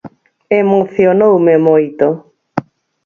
Emocionoume moito.